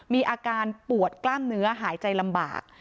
มีอาการปวดกล้ามเนื้อหายใจลำบาก